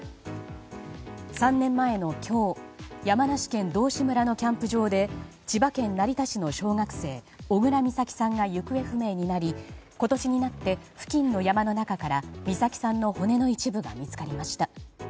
３年前の今日山梨県道志村のキャンプ場で千葉県成田市の小学生小倉美咲さんが行方不明になり今年になって付近の山の中から美咲さんの骨の一部が見つかりました。